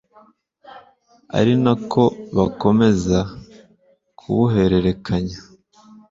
ari na ko bakomeza kubuhererekanya